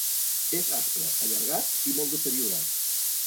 És aspre, allargat i molt deteriorat.